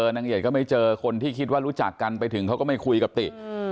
นางเอียดก็ไม่เจอคนที่คิดว่ารู้จักกันไปถึงเขาก็ไม่คุยกับติ